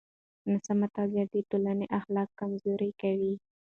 ناسمه تغذیه د ټولنې اخلاق کمزوري کوي.